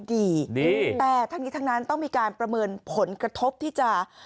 แต่ทั้งนี้ทั้งนั้นต้องมีการประเมินผลกระทบที่จะ